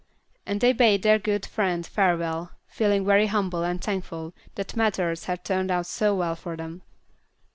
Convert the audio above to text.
And they bade their good friend farewell, feeling very humble and thankful that matters had turned out so well for them.